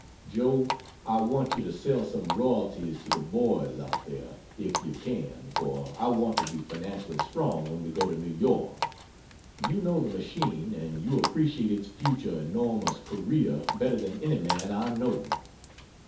Joe, I want you to sell some royalties to the boys out there, if you can, for I want to be financially strong when we go to New York. You know the machine, and you appreciate its future enormous career better than any man I know.